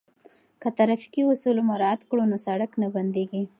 که ترافیکي اصول مراعات کړو نو سړک نه بندیږي.